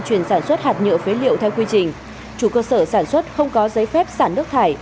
chuyên sản xuất hạt nhựa phế liệu theo quy trình chủ cơ sở sản xuất không có giấy phép sản nước thải